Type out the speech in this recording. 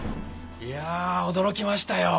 いやぁ驚きましたよ。